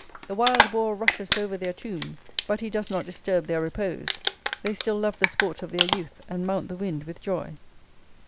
"The wild boar rushes over their tombs, but he does not disturb their repose. They still love the sport of their youth, and mount the wind with joy."